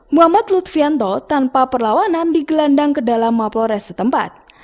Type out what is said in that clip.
muhammad lutfianto tanpa perlawanan digelandang ke dalam maplores setempat